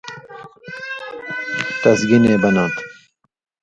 تس گِنے بناں تھہ